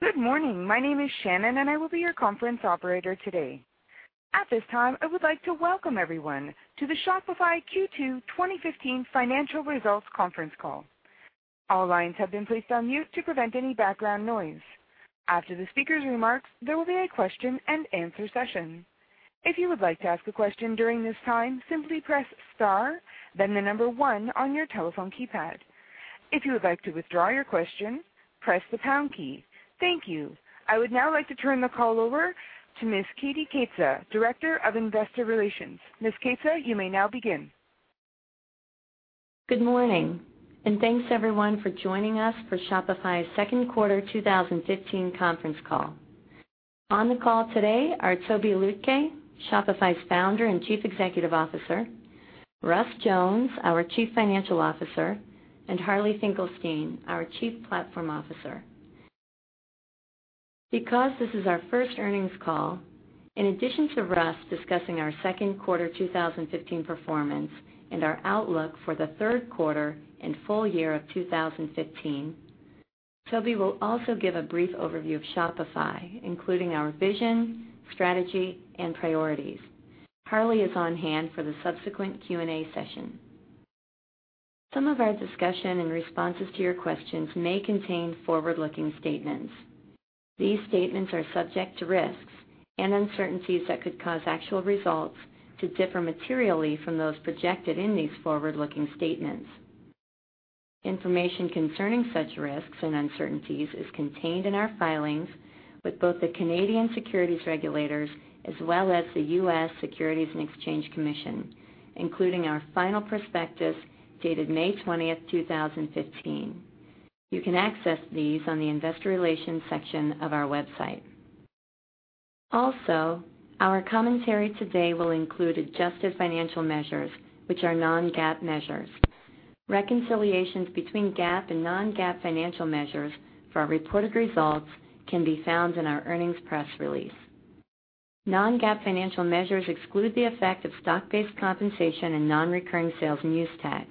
Good morning. My name is Shannon, and I will be your conference operator today. At this time, I would like to welcome everyone to the Shopify Q2 2015 Financial Results Conference Call. All lines have been placed on mute to prevent any background noise. After the speaker's remarks, there will be a question-and-answer session. If you would like to ask a question during this time, simply press star then the number one on your telephone keypad. If you would like to withdraw your question, press the pound key. Thank you. I would now like to turn the call over to Miss Katie Keita, Director of Investor Relations. Miss Keita, you may now begin. Good morning. Thanks everyone for joining us for Shopify Second Quarter 2015 Conference Call. On the call today are Tobi Lütke, Shopify's Founder and Chief Executive Officer; Russ Jones, our Chief Financial Officer; and Harley Finkelstein, our Chief Platform Officer. Because this is our first earnings call, in addition to Russ discussing our second quarter 2015 performance and our outlook for the third quarter and full-year of 2015, Tobi will also give a brief overview of Shopify, including our vision, strategy, and priorities. Harley is on hand for the subsequent Q&A session. Some of our discussion and responses to your questions may contain forward-looking statements. These statements are subject to risks and uncertainties that could cause actual results to differ materially from those projected in these forward-looking statements. Information concerning such risks and uncertainties is contained in our filings with both the Canadian securities regulators as well as the U.S. Securities and Exchange Commission, including our final prospectus dated 20 May 2015. You can access these on the investor relations section of our website. Also, our commentary today will include adjusted financial measures which are non-GAAP measures. Reconciliations between GAAP and non-GAAP financial measures for our reported results can be found in our earnings press release. Non-GAAP financial measures exclude the effect of stock-based compensation and non-recurring sales and use tax.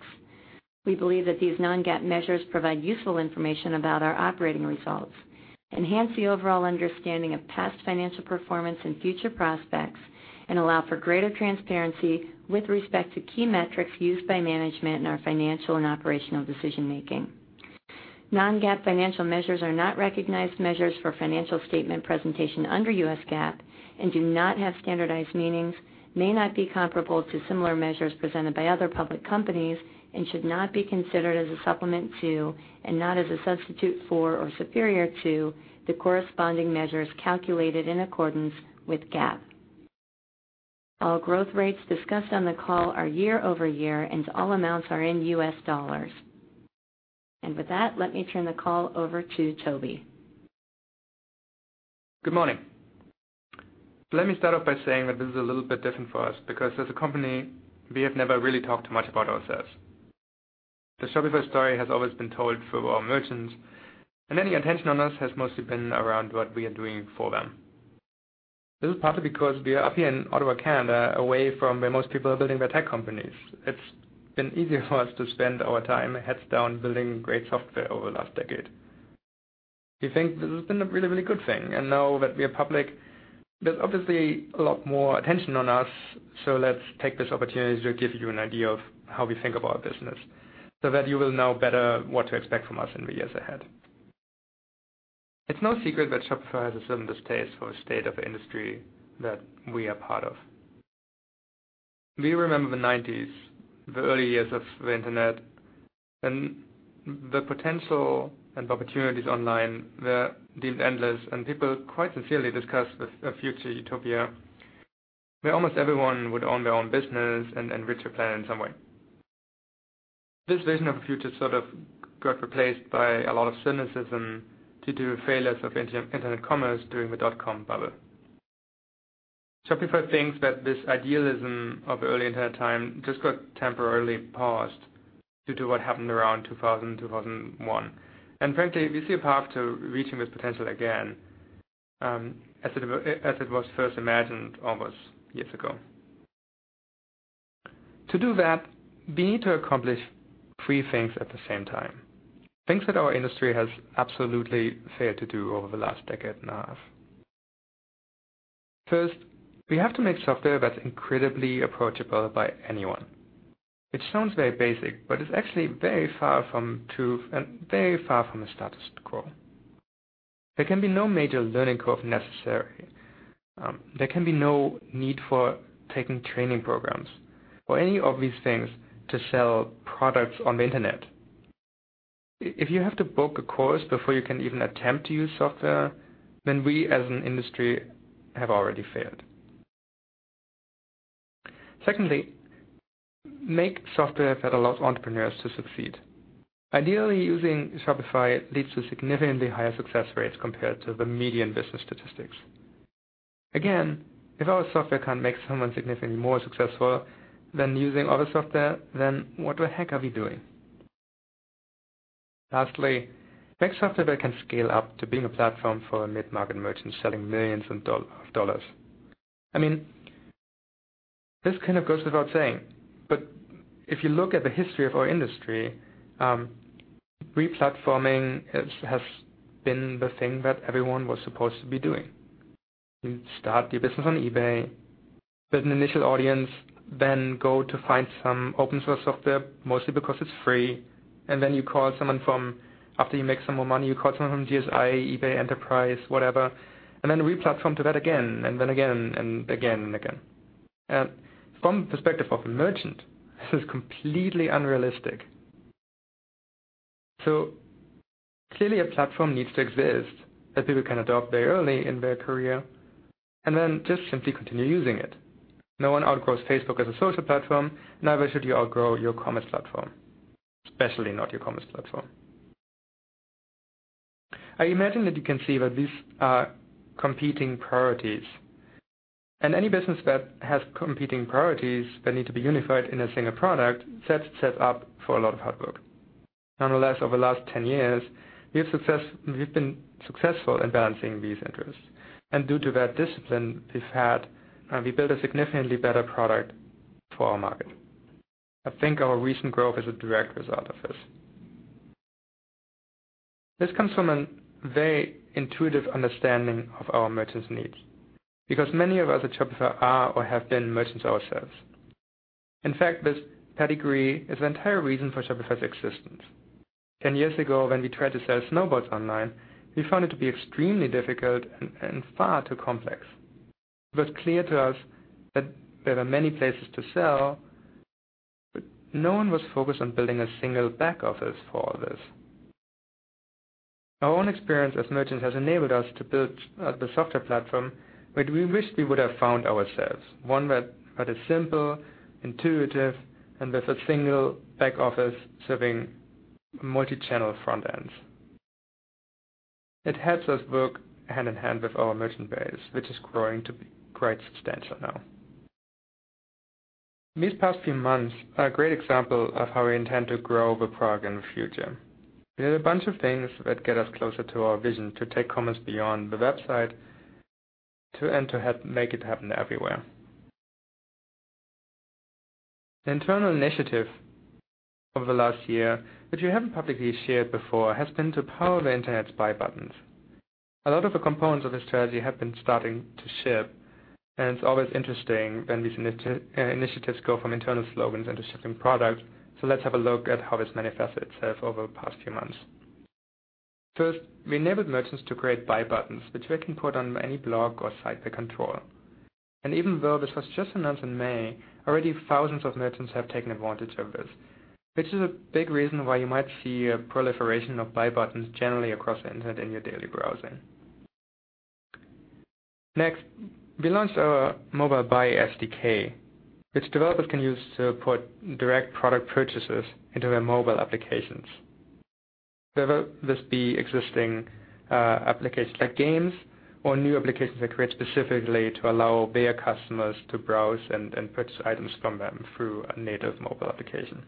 We believe that these non-GAAP measures provide useful information about our operating results, enhance the overall understanding of past financial performance and future prospects, and allow for greater transparency with respect to key metrics used by management in our financial and operational decision-making. Non-GAAP financial measures are not recognized measures for financial statement presentation under U.S. GAAP and do not have standardized meanings, may not be comparable to similar measures presented by other public companies, and should not be considered as a supplement to and not as a substitute for or superior to the corresponding measures calculated in accordance with GAAP. All growth rates discussed on the call are year-over-year, and all amounts are in US dollars. With that, let me turn the call over to Tobi. Good morning. Let me start off by saying that this is a little bit different for us because as a company, we have never really talked much about ourselves. The Shopify story has always been told through our merchants, and any attention on us has mostly been around what we are doing for them. This is partly because we are up here in Ottawa, Canada, away from where most people are building their tech companies. It's been easier for us to spend our time heads down building great software over the last decade. We think this has been a really, really good thing. Now that we are public, there's obviously a lot more attention on us. Let's take this opportunity to give you an idea of how we think about business, so that you will know better what to expect from us in the years ahead. It's no secret that Shopify has a certain distaste for the state of industry that we are part of. We remember the 1990s, the early years of the Internet, and the potential and opportunities online were deemed endless. People quite sincerely discussed a future utopia where almost everyone would own their own business and enrich the planet in some way. This vision of the future sort of got replaced by a lot of cynicism due to failures of internet commerce during the dot-com bubble. Shopify thinks that this idealism of early Internet time just got temporarily paused due to what happened around 2000, 2001. Frankly, we see a path to reaching this potential again, as it was first imagined all those years ago. To do that, we need to accomplish three things at the same time, things that our industry has absolutely failed to do over the last decade and a half. First, we have to make software that's incredibly approachable by anyone. It sounds very basic, but it's actually very far from true and very far from the status quo. There can be no major learning curve necessary. There can be no need for taking training programs or any obvious things to sell products on the Internet. If you have to book a course before you can even attempt to use software, then we as an industry have already failed. Secondly, make software that allows entrepreneurs to succeed. Ideally, using Shopify leads to significantly higher success rates compared to the median business statistics. Again, if our software can't make someone significantly more successful than using other software, then what the heck are we doing? Lastly, make software that can scale up to being a platform for mid-market merchants selling millions of dollars. This kind of goes without saying, but if you look at the history of our industry, re-platforming has been the thing that everyone was supposed to be doing. You start your business on eBay with an initial audience, then go to find some open source software, mostly because it's free, and then you call someone after you make some more money, you call someone from GSI, eBay Enterprise, whatever, and then re-platform to that again, and then again, and again, and again. From the perspective of a merchant, this is completely unrealistic. Clearly, a platform needs to exist that people can adopt very early in their career and then just simply continue using it. No one outgrows Facebook as a social platform, neither should you outgrow your commerce platform, especially not your commerce platform. I imagine that you can see that these are competing priorities, and any business that has competing priorities that need to be unified in a single product sets up for a lot of hard work. Nonetheless, over the last 10 years, we've been successful in balancing these interests. Due to that discipline we've had, we built a significantly better product for our market. I think our recent growth is a direct result of this. This comes from a very intuitive understanding of our merchants' needs because many of us at Shopify are or have been merchants ourselves. In fact, this pedigree is the entire reason for Shopify's existence. 10 years ago, when we tried to sell snowboards online, we found it to be extremely difficult and far too complex. It was clear to us that there were many places to sell, but no one was focused on building a single back office for all this. Our own experience as merchants has enabled us to build the software platform that we wished we would have found ourselves. One that is simple, intuitive, and with a single back office serving multi-channel front ends. It helps us work hand-in-hand with our merchant base, which is growing to be quite substantial now. These past few months are a great example of how we intend to grow the product in the future. We did a bunch of things that get us closer to our vision to take commerce beyond the website to help make it happen everywhere. The internal initiative over the last year, which we haven't publicly shared before, has been to power the internet's Buy Buttons. A lot of the components of this strategy have been starting to ship, and it's always interesting when these initiatives go from internal slogans into shipping products. Let's have a look at how this manifested itself over the past few months. First, we enabled merchants to create Buy Buttons, which they can put on any blog or site they control. Even though this was just announced in May, already thousands of merchants have taken advantage of this, which is a big reason why you might see a proliferation of Buy Buttons generally across the internet in your daily browsing. We launched our Mobile Buy SDK, which developers can use to put direct product purchases into their mobile applications. Whether this be existing applications like games or new applications they create specifically to allow their customers to browse and purchase items from them through a native mobile application.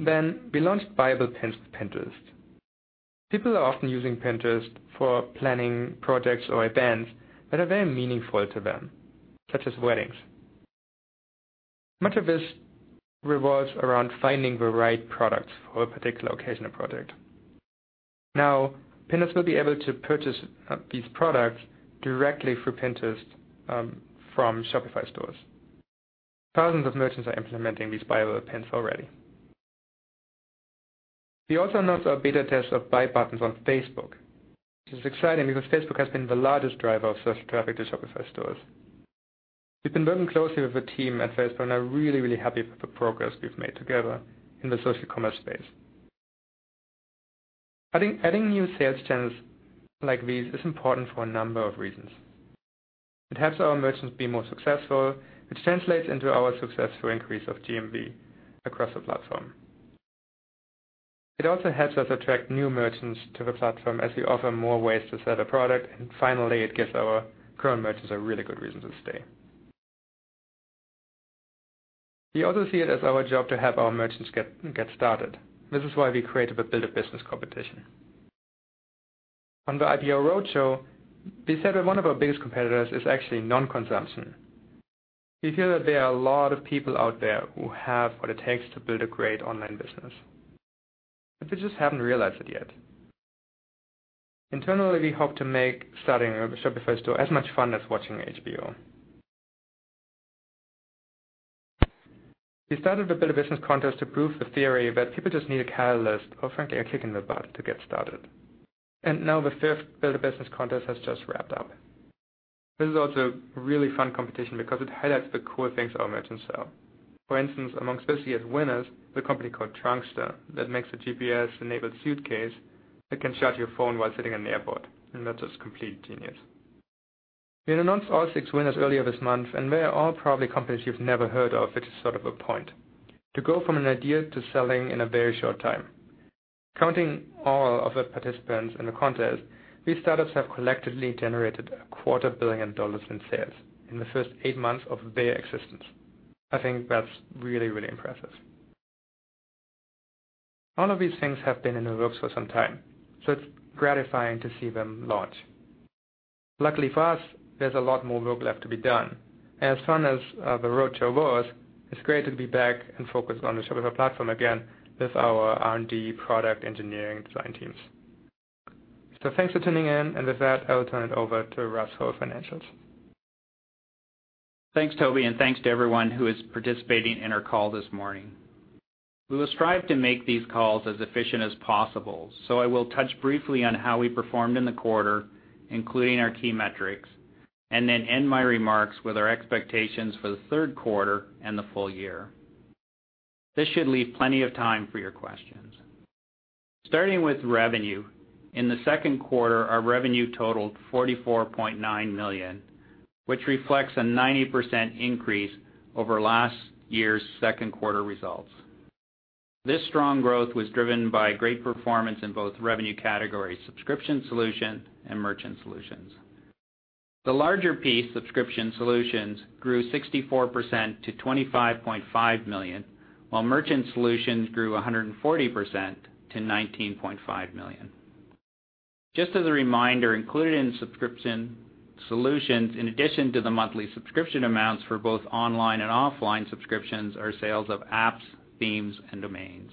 We launched Buyable Pins with Pinterest. People are often using Pinterest for planning projects or events that are very meaningful to them, such as weddings. Much of this revolves around finding the right products for a particular occasion or project. Pinners will be able to purchase these products directly through Pinterest from Shopify stores. Thousands of merchants are implementing these Buyable Pins already. We also announced our beta test of Buy Buttons on Facebook, which is exciting because Facebook has been the largest driver of social traffic to Shopify stores. We've been working closely with the team at Facebook and are really happy with the progress we've made together in the social commerce space. Adding new sales channels like these is important for a number of reasons. It helps our merchants be more successful, which translates into our successful increase of GMV across the platform. It also helps us attract new merchants to the platform as we offer more ways to sell their product. Finally, it gives our current merchants a really good reason to stay. We also see it as our job to help our merchants get started. This is why we created the Build a Business competition. On the IPO roadshow, we said that one of our biggest competitors is actually non-consumption. We feel that there are a lot of people out there who have what it takes to build a great online business, but they just haven't realized it yet. Internally, we hope to make starting a Shopify store as much fun as watching HBO. We started the Build a Business contest to prove the theory that people just need a catalyst or, frankly, a kick in the butt to get started. Now the fifth Build a Business contest has just wrapped up. This is also a really fun competition because it highlights the cool things our merchants sell. For instance, amongst this year's winners, the company called Trunkster that makes a GPS-enabled suitcase that can charge your phone while sitting in the airport, and that's just complete genius. We announced all six winners earlier this month. They are all probably companies you've never heard of, which is sort of the point. To go from an idea to selling in a very short time. Counting all of the participants in the contest, these startups have collectively generated a quarter billion dollars in sales in the first eight months of their existence. I think that's really impressive. All of these things have been in the works for some time. It's gratifying to see them launch. Luckily for us, there's a lot more work left to be done. Fun as the roadshow was, it's great to be back and focused on the Shopify platform again with our R&D product engineering design teams. Thanks for tuning in. With that, I'll turn it over to Russ for financials. Thanks, Tobi, and thanks to everyone who is participating in our call this morning. We will strive to make these calls as efficient as possible. I will touch briefly on how we performed in the quarter, including our key metrics, and then end my remarks with our expectations for the third quarter and the full-year. This should leave plenty of time for your questions. Starting with revenue. In the second quarter, our revenue totaled $44.9 million, which reflects a 90% increase over last year's second quarter results. This strong growth was driven by great performance in both revenue categories, Subscription Solutions and Merchant Solutions. The larger piece, Subscription Solutions, grew 64% to $25.5 million, while Merchant Solutions grew 140% to $19.5 million. Just as a reminder, included in subscription solutions, in addition to the monthly subscription amounts for both online and offline subscriptions, are sales of apps, themes, and domains.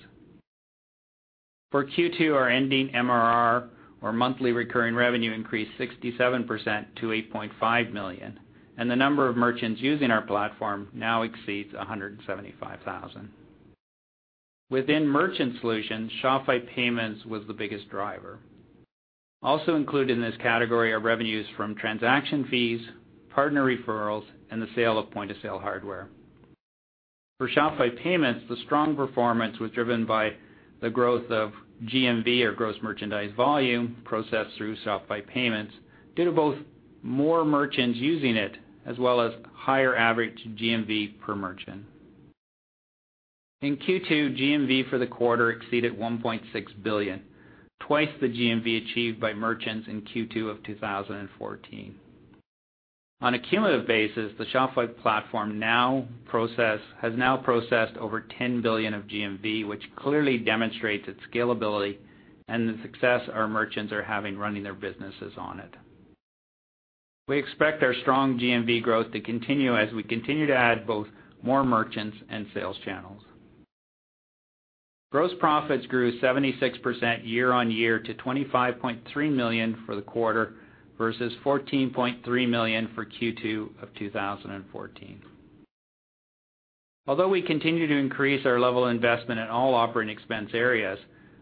For Q2, our ending MRR or monthly recurring revenue increased 67% to $8.5 million, and the number of merchants using our platform now exceeds 175,000. Within merchant solutions, Shopify Payments was the biggest driver. Also included in this category are revenues from transaction fees, partner referrals, and the sale of point-of-sale hardware. For Shopify Payments, the strong performance was driven by the growth of GMV or gross merchandise volume processed through Shopify Payments due to both more merchants using it as well as higher average GMV per merchant. In Q2, GMV for the quarter exceeded $1.6 billion, twice the GMV achieved by merchants in Q2 of 2014. On a cumulative basis, the Shopify platform has now processed over $10 billion of GMV, which clearly demonstrates its scalability and the success our merchants are having running their businesses on it. We expect our strong GMV growth to continue as we continue to add both more merchants and sales channels. Gross profits grew 76% year-over-year to $25.3 million for the quarter versus $14.3 million for Q2 of 2014. Although we continue to increase our level of investment in all operating expense areas,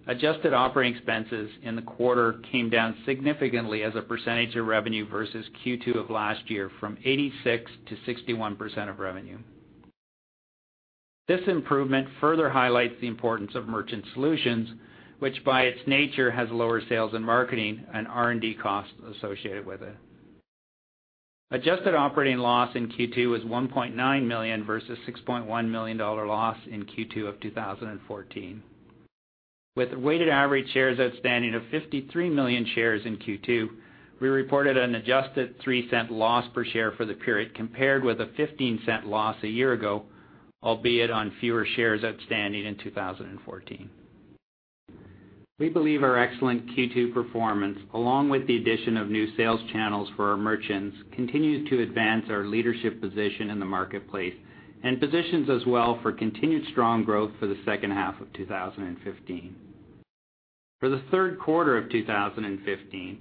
adjusted operating expenses in the quarter came down significantly as a percentage of revenue versus Q2 of last year from 86%-61% of revenue. This improvement further highlights the importance of merchant solutions, which by its nature has lower sales and marketing and R&D costs associated with it. Adjusted operating loss in Q2 was $1.9 million versus $6.1 million loss in Q2 of 2014. With weighted average shares outstanding of 53 million shares in Q2, we reported an adjusted $0.03 loss per share for the period, compared with a $0.15 loss a year ago, albeit on fewer shares outstanding in 2014. We believe our excellent Q2 performance, along with the addition of new sales channels for our merchants, continues to advance our leadership position in the marketplace and positions us well for continued strong growth for the second half of 2015. For the third quarter of 2015,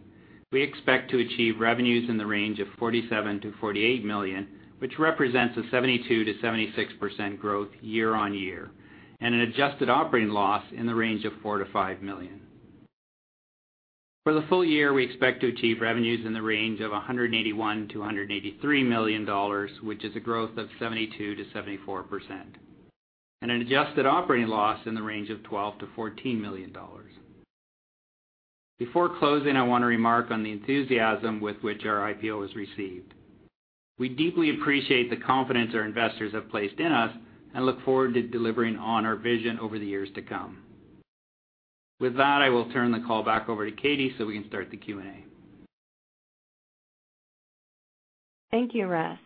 we expect to achieve revenues in the range of $47 million to $48 million, which represents a 72%-76% growth year-over-year, and an adjusted operating loss in the range of $4 million to $5 million. For the full-year, we expect to achieve revenues in the range of $181 million to $183 million, which is a growth of 72%-74%, and an adjusted operating loss in the range of $12 million to $14 million. Before closing, I want to remark on the enthusiasm with which our IPO was received. We deeply appreciate the confidence our investors have placed in us and look forward to delivering on our vision over the years to come. With that, I will turn the call back over to Katie so we can start the Q&A. Thank you, Russ.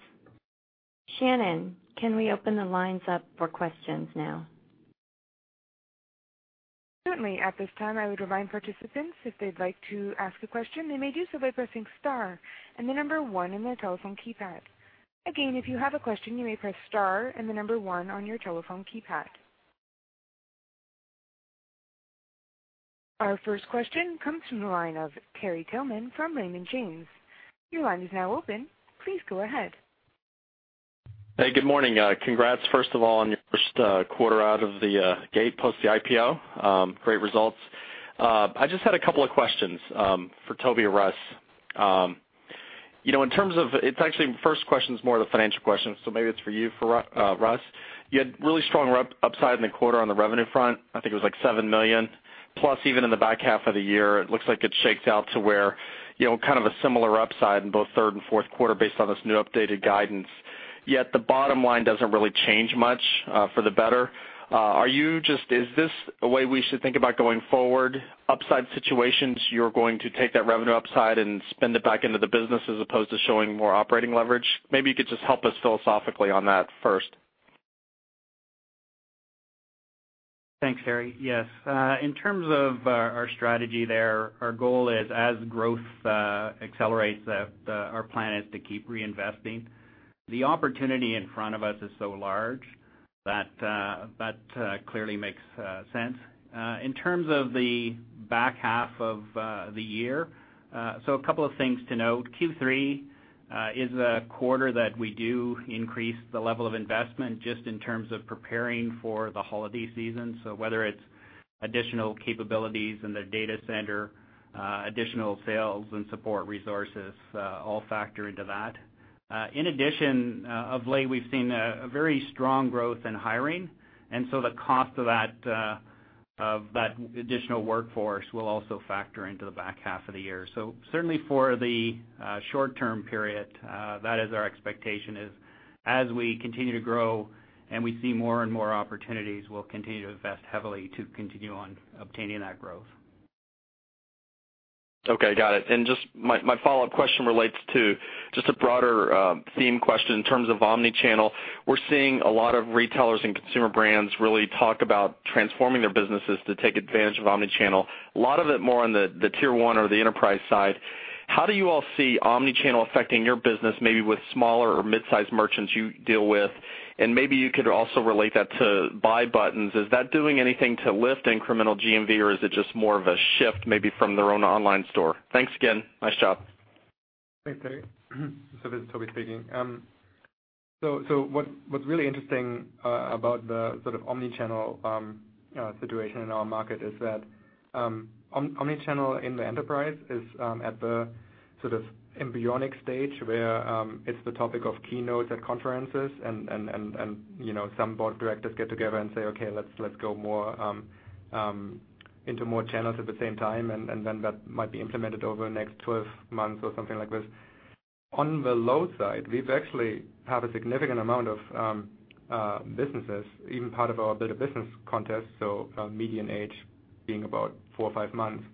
Shannon, can we open the lines up for questions now? Certainly. At this time, I would remind participants if they'd like to ask a question, they may do so by pressing star and the number one in their telephone keypad. Again, if you have a question, you may press star and the number one on your telephone keypad. Our first question comes from the line of Terry Tillman from Raymond James. Your line is now open. Please go ahead. Hey, good morning. Congrats, first of all, on your first quarter out of the gate post the IPO. Great results. I just had a couple of questions for Tobi or Russ. You know, in terms of It's actually, first question is more of the financial question, so maybe it's for you, for Russ. You had really strong upside in the quarter on the revenue front. I think it was like $7 million, plus even in the back half of the year, it looks like it shakes out to where, you know, kind of a similar upside in both third and fourth quarter based on this new updated guidance. The bottom line doesn't really change much for the better. Is this a way we should think about going forward? Upside situations, you're going to take that revenue upside and spend it back into the business as opposed to showing more operating leverage? Maybe you could just help us philosophically on that first. Thanks, Terry. Yes. In terms of our strategy there, our goal is as growth accelerates, our plan is to keep reinvesting. The opportunity in front of us is so large that that clearly makes sense. In terms of the back half of the year, a couple of things to note. Q3 is a quarter that we do increase the level of investment just in terms of preparing for the holiday season. Whether it's additional capabilities in the data center, additional sales and support resources, all factor into that. In addition, of late, we've seen a very strong growth in hiring, the cost of that additional workforce will also factor into the back half of the year. Certainly for the short-term period, that is our expectation is as we continue to grow and we see more and more opportunities, we'll continue to invest heavily to continue on obtaining that growth. Okay, got it. Just my follow-up question relates to just a broader theme question in terms of omni-channel. We're seeing a lot of retailers and consumer brands really talk about transforming their businesses to take advantage of omni-channel, a lot of it more on the tier 1 or the enterprise side. How do you all see omni-channel affecting your business, maybe with smaller or mid-sized merchants you deal with? Maybe you could also relate that to Buy Button. Is that doing anything to lift incremental GMV, or is it just more of a shift maybe from their own online store? Thanks again. Nice job. Thanks, Terry. This is Tobi Lütke speaking. What's really interesting about the sort of omni-channel situation in our market is that omni-channel in the enterprise is at the sort of embryonic stage where it's the topic of keynotes at conferences and, you know, some board of directors get together and say, "Okay, let's go more into more channels at the same time," and then that might be implemented over the next 12 months or something like this. On the low side, we've actually have a significant amount of businesses, even part of our Build a Business contest, median age being about four or five months,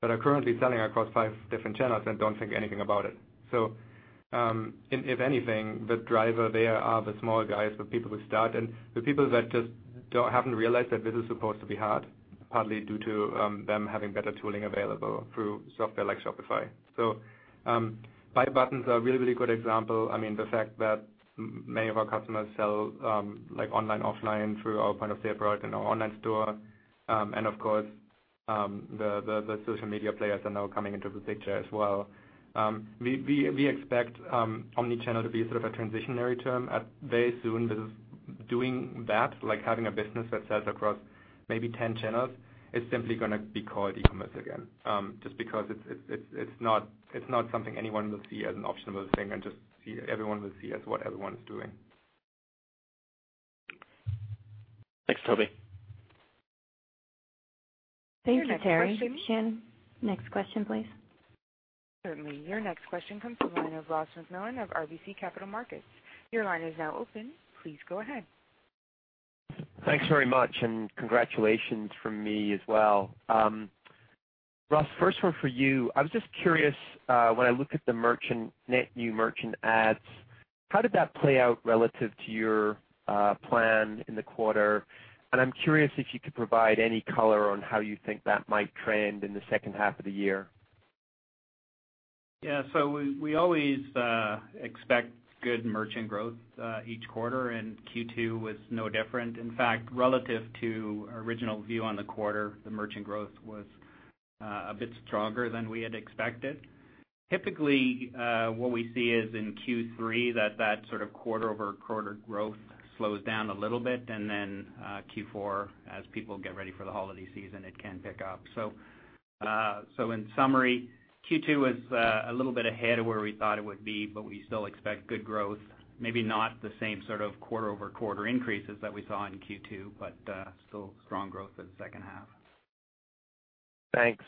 that are currently selling across five different channels and don't think anything about it. If, if anything, the driver there are the small guys, the people who start and the people that just don't, haven't realized that this is supposed to be hard, partly due to them having better tooling available through software like Shopify. Buy Buttons are a really, really good example. I mean, the fact that many of our customers sell, like online/offline through our Shopify POS product in our online store, and of course, the social media players are now coming into the picture as well. We expect omni-channel to be sort of a transitionary term at very soon. This is doing that, like having a business that sells across maybe 10 channels is simply gonna be called e-commerce again. Just because it's not something anyone will see as an optional thing and everyone will see as what everyone's doing. Thanks, Tobi. Thank you, Terry. Shannon, next question, please. Certainly. Your next question comes from the line of Ross MacMillan of RBC Capital Markets. Your line is now open. Please go ahead. Thanks very much, and congratulations from me as well. Russ, first one for you. I was just curious, when I look at the merchant, net new merchant adds, how did that play out relative to your plan in the quarter? I'm curious if you could provide any color on how you think that might trend in the second half of the year. Yeah. We always expect good merchant growth each quarter, and Q2 was no different. In fact, relative to our original view on the quarter, the merchant growth was a bit stronger than we had expected. Typically, what we see is in Q3 that sort of quarter-over-quarter growth slows down a little bit, and then Q4, as people get ready for the holiday season, it can pick up. In summary, Q2 was a little bit ahead of where we thought it would be, but we still expect good growth. Maybe not the same sort of quarter-over-quarter increases that we saw in Q2, but still strong growth for the second half. Thanks.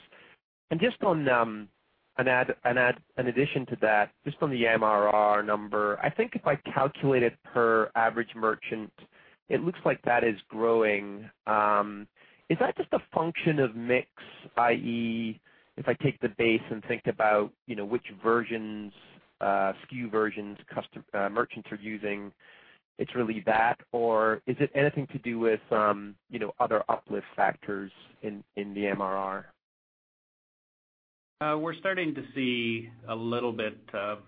Just on an addition to that, just on the MRR number. I think if I calculate it per average merchant, it looks like that is growing. Is that just a function of mix, i.e., if I take the base and think about, you know, which versions, SKU versions custom merchants are using, it's really that? Is it anything to do with, you know, other uplift factors in the MRR? We're starting to see a little bit of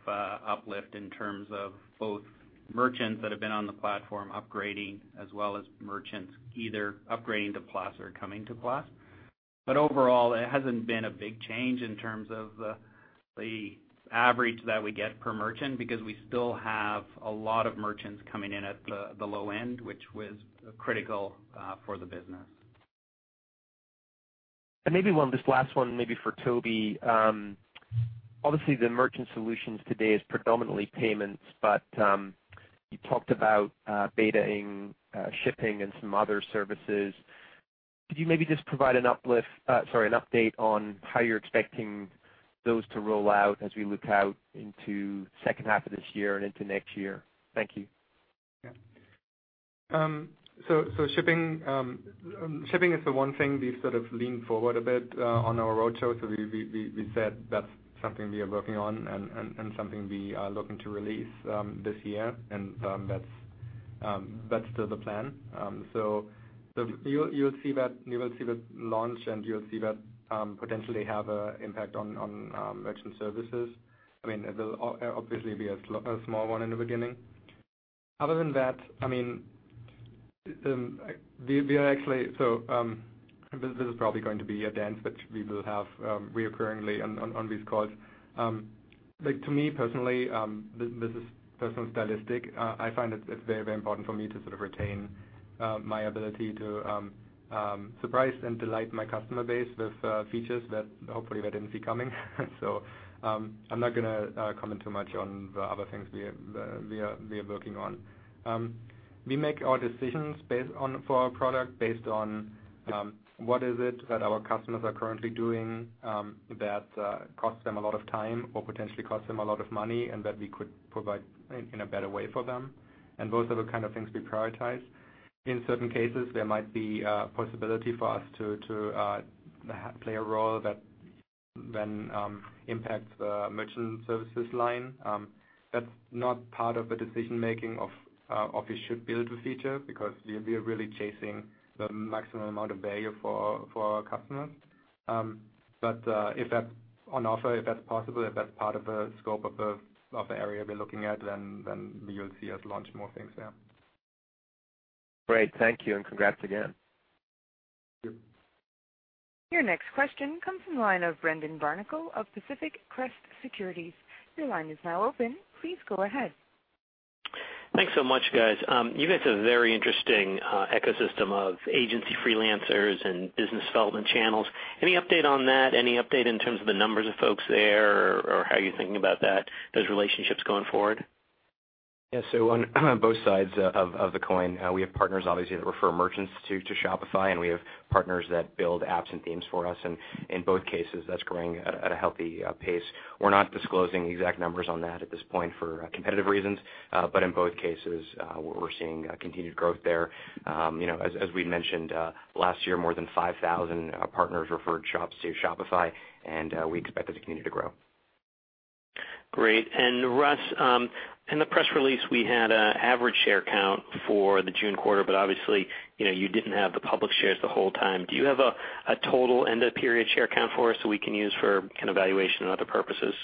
uplift in terms of both merchants that have been on the platform upgrading, as well as merchants either upgrading to Plus or coming to Plus. Overall, it hasn't been a big change in terms of the average that we get per merchant, because we still have a lot of merchants coming in at the low end, which was critical for the business. Maybe one, this last one maybe for Tobi Lütke. Obviously, the merchant solutions today is predominantly payments, but you talked about betaing shipping and some other services. Could you maybe just provide an uplift, sorry, an update on how you're expecting those to roll out as we look out into 2nd half of this year and into next year? Thank you. Shipping is the one thing we've sort of leaned forward a bit on our roadshow. We said that's something we are working on and something we are looking to release this year, and that's still the plan. You'll see that, you will see the launch, and you'll see that potentially have a impact on merchant services. I mean, it'll obviously be a small one in the beginning. Other than that, I mean, we are actually So, this is probably going to be a dance which we will have reoccurringly on these calls. Like, to me personally, this is personal stylistic. I find it's very, very important for me to sort of retain my ability to surprise and delight my customer base with features that hopefully they didn't see coming. I'm not gonna comment too much on the other things we are working on. We make our decisions based on, for our product based on, what is it that our customers are currently doing, that costs them a lot of time or potentially costs them a lot of money and that we could provide in a better way for them, and those are the kind of things we prioritize. In certain cases, there might be a possibility for us to play a role that then impacts the merchant services line. That's not part of the decision-making of we should build a feature because we are really chasing the maximum amount of value for our customers. If that's on offer, if that's possible, if that's part of the scope of the area we're looking at, then you'll see us launch more things. Yeah. Great. Thank you, and congrats again. Thank you. Your next question comes from the line of Brendan Barnicle of Pacific Crest Securities. Your line is now open. Please go ahead. Thanks so much, guys. You guys have a very interesting ecosystem of agency freelancers and business development channels. Any update on that? Any update in terms of the numbers of folks there or how you're thinking about that, those relationships going forward? On both sides of the coin, we have partners obviously that refer merchants to Shopify, and we have partners that build apps and themes for us. In both cases, that's growing at a healthy pace. We're not disclosing the exact numbers on that at this point for competitive reasons, but in both cases, we're seeing continued growth there. You know, as we mentioned last year, more than 5,000 partners referred shops to Shopify, and we expect that to continue to grow. Great. Russ, in the press release, we had a average share count for the June quarter. Obviously, you know, you didn't have the public shares the whole time. Do you have a total end of period share count for us so we can use for kinda evaluation and other purposes?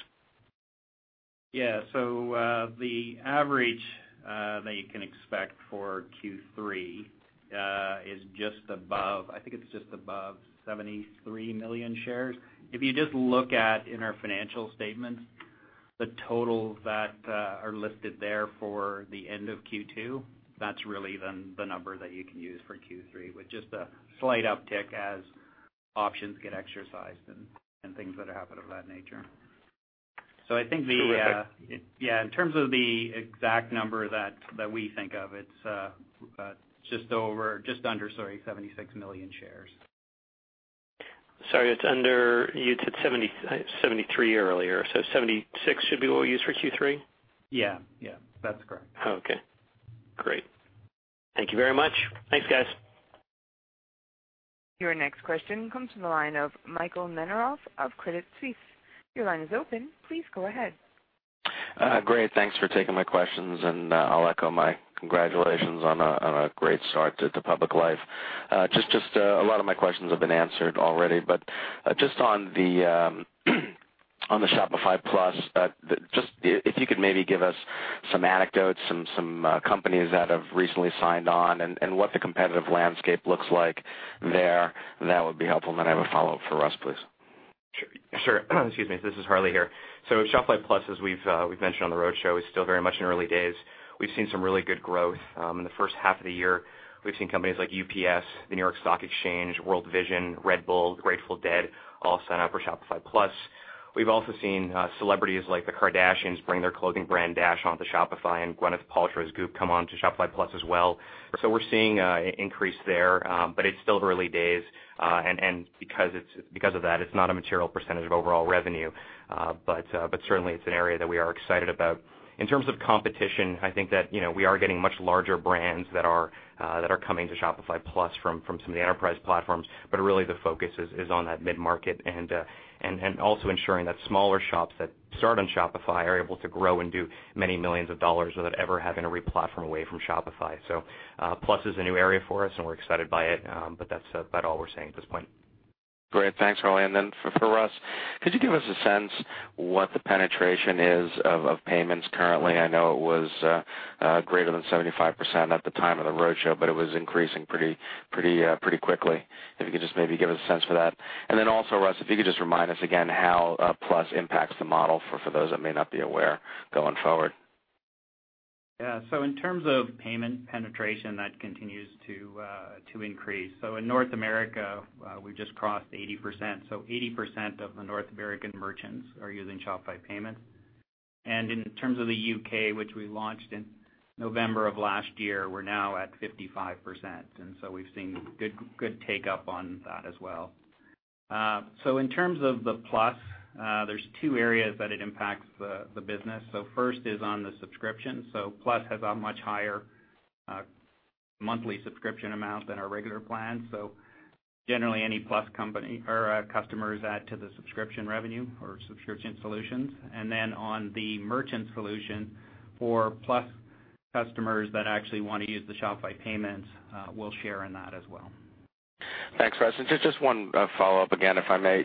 The average that you can expect for Q3 is just above, I think it's just above 73 million shares. If you just look at in our financial statements, the totals that are listed there for the end of Q2, that's really then the number that you can use for Q3 with just a slight uptick as options get exercised and things that happen of that nature. Terrific. Yeah. In terms of the exact number that we think of, it's just over, just under, sorry, 76 million shares. Sorry, it's under, you said 73 earlier, so 76 should be what we use for Q3? Yeah. Yeah. That's correct. Okay. Great. Thank you very much. Thanks, guys. Your next question comes from the line of Michael Nemeroff of Credit Suisse. Your line is open. Please go ahead. Great. Thanks for taking my questions. I'll echo my congratulations on a great start to public life. Just a lot of my questions have been answered already. Just on the Shopify Plus, just if you could maybe give us some anecdotes, some companies that have recently signed on and what the competitive landscape looks like there, that would be helpful. Then I have a follow-up for Russ, please. Sure. Excuse me. This is Harley here. Shopify Plus, as we've mentioned on the roadshow, is still very much in early days. We've seen some really good growth in the first half of the year. We've seen companies like UPS, the New York Stock Exchange, World Vision, Red Bull, Grateful Dead, all sign up for Shopify Plus. We've also seen celebrities like the Kardashians bring their clothing brand Dash onto Shopify and Gwyneth Paltrow's Goop come onto Shopify Plus as well. We're seeing increase there, but it's still early days. Because of that, it's not a material percentage of overall revenue. But certainly it's an area that we are excited about. In terms of competition, I think that, you know, we are getting much larger brands that are coming to Shopify Plus from some of the enterprise platforms, but really the focus is on that mid-market and also ensuring that smaller shops that start on Shopify are able to grow and do many millions of dollars without ever having to re-platform away from Shopify. Plus is a new area for us, and we're excited by it, but that's about all we're saying at this point. Great. Thanks, Harley. For Russ, could you give us a sense what the penetration is of Shopify Payments currently? I know it was greater than 75% at the time of the roadshow, but it was increasing pretty quickly. If you could just maybe give us a sense for that. Also, Russ, if you could just remind us again how Plus impacts the model for those that may not be aware going forward. In terms of payment penetration, that continues to increase. In North America, we just crossed 80%. 80% of the North American merchants are using Shopify Payments. In terms of the U.K., which we launched in November of last year, we're now at 55%, we've seen good take-up on that as well. In terms of the Plus, there's two areas that it impacts the business. First is on the subscription. Plus has a much higher Monthly subscription amount than our regular plan. Generally, any Plus company or customers add to the subscription revenue or subscription solutions. On the merchant solution for Plus customers that actually want to use the Shopify Payments, we'll share in that as well. Thanks, Russ. Just one follow-up again, if I may.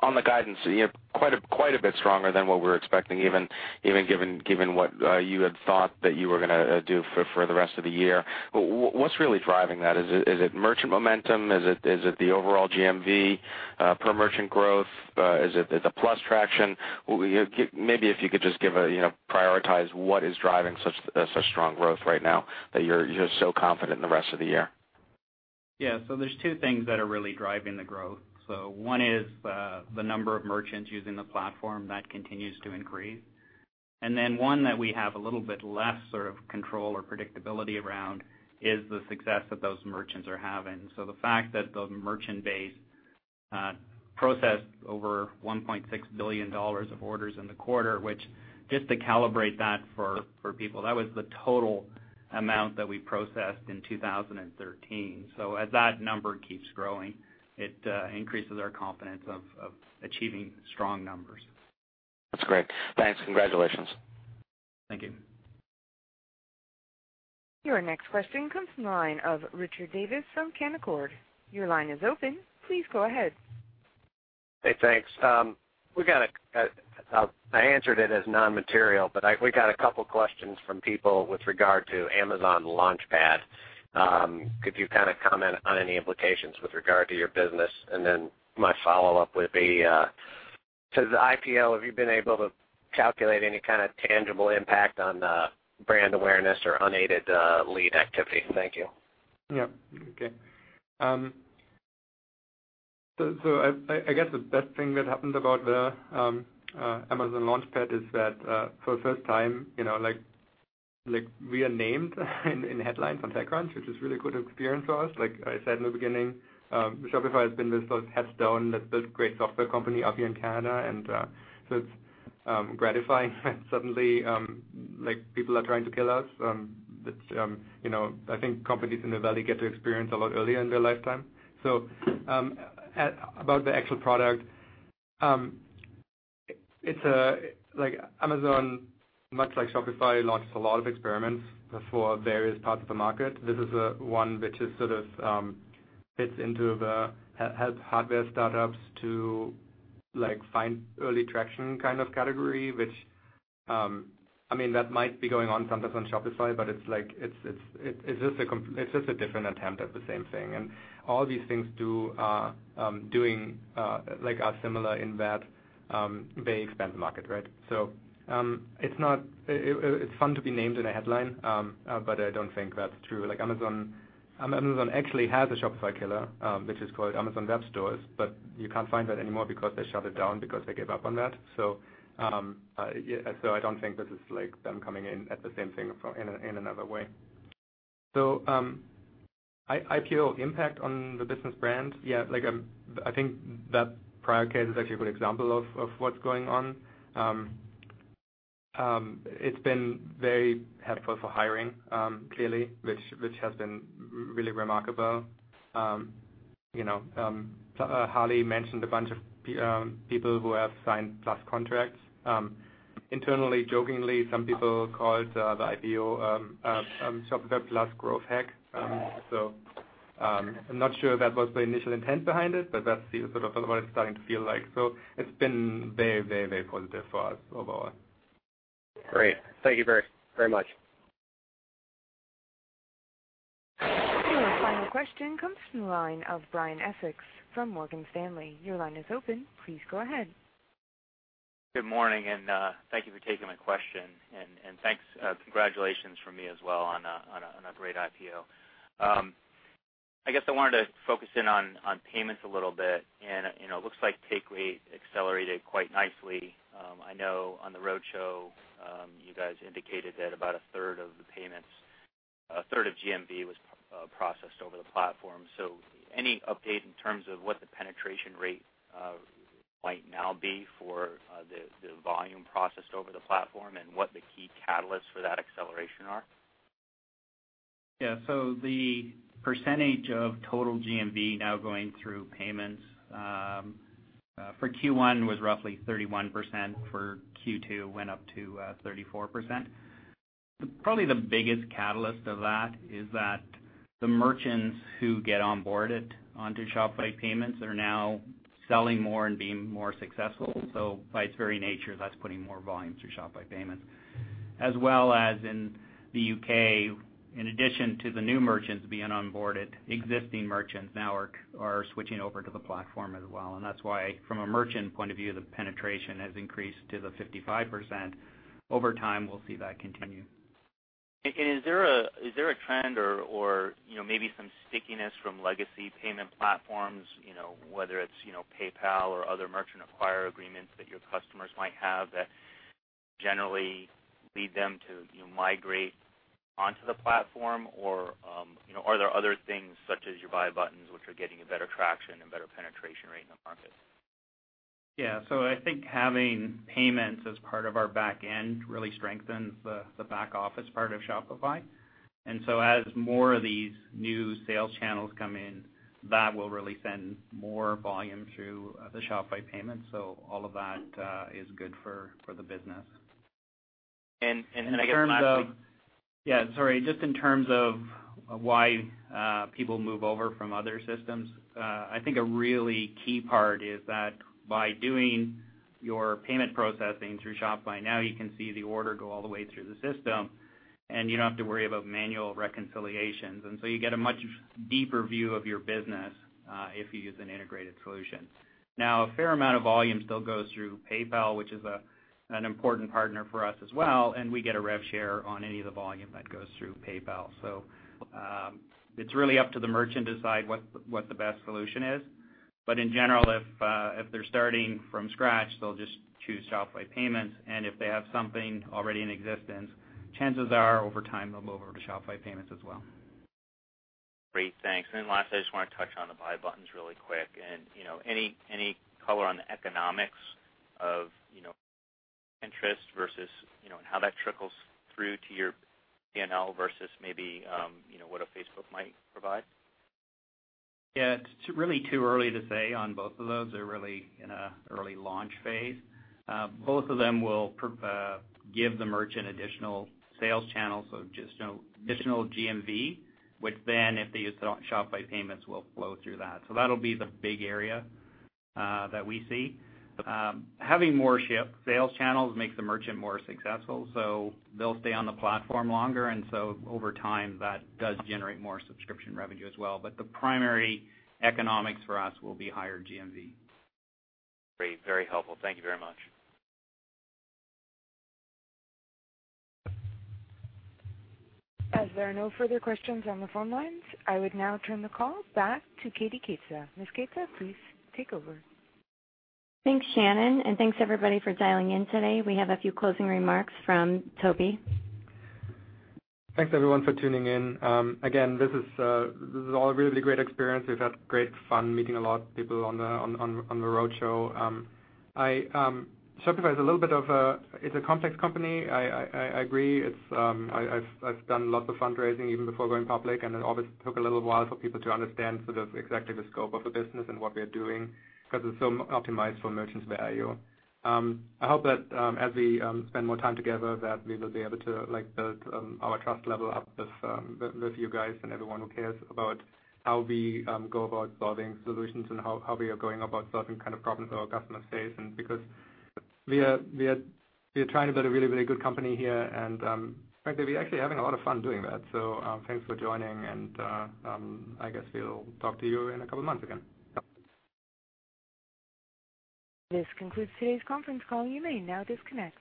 On the guidance, you know, quite a bit stronger than what we were expecting, even given what you had thought that you were gonna do for the rest of the year. What's really driving that? Is it merchant momentum? Is it the overall GMV per merchant growth? Is it Plus traction? Well, maybe if you could just give a, you know, prioritize what is driving such strong growth right now that you're so confident in the rest of the year. Yeah. There's two things that are really driving the growth. One is the number of merchants using the platform that continues to increase. One that we have a little bit less sort of control or predictability around is the success that those merchants are having. The fact that the merchant base processed over $1.6 billion of orders in the quarter, which just to calibrate that for people, that was the total amount that we processed in 2013. As that number keeps growing, it increases our confidence of achieving strong numbers. That's great. Thanks. Congratulations. Thank you. Your next question comes from the line of Richard Davis from Canaccord. Your line is open. Please go ahead. Hey, thanks. I answered it as non-material, but we got a couple questions from people with regard to Amazon Launchpad. Could you kind of comment on any implications with regard to your business? Then my follow-up would be, since the IPO, have you been able to calculate any kind of tangible impact on brand awareness or unaided lead activity? Thank you. Yeah. Okay. I guess the best thing that happened about the Amazon Launchpad is that, for the first time, you know, like, we are named in headlines on TechCrunch, which is really good experience for us. Like I said in the beginning, Shopify has been this sort of headstone that built great software company up here in Canada. So it's gratifying that suddenly, like, people are trying to kill us, that, you know, I think companies in the valley get to experience a lot earlier in their lifetime. About the actual product, like, Amazon, much like Shopify, launched a lot of experiments for various parts of the market. This is one which is sort of, fits into the help hardware startups to, like, find early traction kind of category, which, I mean, that might be going on sometimes on Shopify, but it's like, it's just a different attempt at the same thing. All these things do, like are similar in that, they expand the market, right? It's fun to be named in a headline, but I don't think that's true. Like Amazon actually has a Shopify killer, which is called Amazon Webstore, but you can't find that anymore because they shut it down because they gave up on that. Yeah, I don't think this is like them coming in at the same thing from, in another way. IPO impact on the business brand. I think that Pacific Crest is actually a good example of what's going on. It's been very helpful for hiring, clearly, which has been really remarkable. Harley mentioned a bunch of people who have signed Plus contracts. Internally, jokingly, some people called the IPO Shopify Plus growth hack. I'm not sure that was the initial intent behind it, but that's the sort of what it's starting to feel like. It's been very positive for us overall. Great. Thank you very, very much. Your final question comes from the line of Brian Essex from Morgan Stanley. Your line is open. Please go ahead. Good morning. Thank you for taking my question. Thanks, congratulations from me as well on a great IPO. I guess I wanted to focus in on payments a little bit. You know, it looks like take rate accelerated quite nicely. I know on the roadshow, you guys indicated that about a third of GMV was processed over the platform. Any update in terms of what the penetration rate might now be for the volume processed over the platform and what the key catalysts for that acceleration are? The percentage of total GMV now going through Shopify Payments for Q1 was roughly 31%. For Q2, it went up to 34%. Probably the biggest catalyst of that is that the merchants who get onboarded onto Shopify Payments are now selling more and being more successful. By its very nature, that's putting more volume through Shopify Payments. As well as in the U.K., in addition to the new merchants being onboarded, existing merchants now are switching over to the platform as well. That's why from a merchant point of view, the penetration has increased to the 55%. Over time, we'll see that continue. Is there a trend or, you know, maybe some stickiness from legacy payment platforms, you know, whether it's, you know, PayPal or other merchant acquirer agreements that your customers might have that generally lead them to, you know, migrate onto the platform? Or, you know, are there other things such as your Buy Button which are getting a better traction and better penetration rate in the market? Yeah. I think having payments as part of our back end really strengthens the back office part of Shopify. As more of these new sales channels come in, that will really send more volume through the Shopify Payments. All of that is good for the business. I guess lastly. In terms of Yeah, sorry. Just in terms of why people move over from other systems, I think a really key part is that by doing your payment processing through Shopify, now you can see the order go all the way through the system, and you don't have to worry about manual reconciliations. You get a much deeper view of your business if you use an integrated solution. A fair amount of volume still goes through PayPal, which is an important partner for us as well, and we get a rev share on any of the volume that goes through PayPal. It's really up to the merchant to decide what the best solution is. In general, if they're starting from scratch, they'll just choose Shopify Payments, and if they have something already in existence, chances are over time they'll move over to Shopify Payments as well. Great. Thanks. Lastly, I just wanna touch on the Buy Button really quick. You know, any color on the economics of, you know, interest versus, you know, and how that trickles through to your P&L versus maybe, you know, what a Facebook might provide? Yeah. It's really too early to say on both of those. They're really in a early launch phase. Both of them will give the merchant additional sales channels, you know, additional GMV, which then if they use the Shopify Payments will flow through that. That'll be the big area that we see. Having more Shopify sales channels makes the merchant more successful, so they'll stay on the platform longer. Over time, that does generate more subscription revenue as well. The primary economics for us will be higher GMV. Great. Very helpful. Thank you very much. As there are no further questions on the phone lines, I would now turn the call back to Katie Keita. Ms. Keita, please take over. Thanks, Shannon, and thanks everybody for dialing in today. We have a few closing remarks from Tobi. Thanks everyone for tuning in. Again, this is all a really great experience. We've had great fun meeting a lot of people on the roadshow. Shopify is a little bit of a, it's a complex company. I agree. It's, I've done lots of fundraising even before going public, and it always took a little while for people to understand sort of exactly the scope of the business and what we are doing 'cause it's so optimized for merchants value. I hope that, as we spend more time together, that we will be able to, like, build our trust level up with you guys and everyone who cares about how we go about solving solutions and how we are going about solving kind of problems that our customers face. Because we are trying to build a really good company here, and, frankly, we're actually having a lot of fun doing that. Thanks for joining and, I guess we'll talk to you in a couple of months again. Yep. This concludes today's conference call. You may now disconnect.